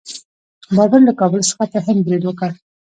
بابر له کابل څخه په هند برید وکړ.